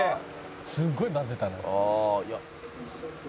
「すごい混ぜたな」